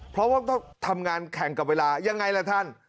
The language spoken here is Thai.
เพราะว่าต้องทำงานแข่งกับเวลายังไงล่ะท่าน